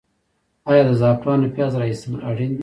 آیا د زعفرانو پیاز را ایستل اړین دي؟